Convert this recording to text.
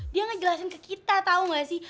dia ngejelasin ke kita tau gak sih